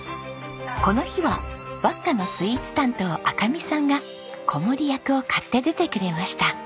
この日はわっかのスイーツ担当赤見さんが子守役を買って出てくれました。